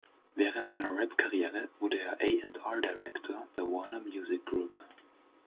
Während seiner Rapkarriere wurde er A&R-Director bei Warner Music Group.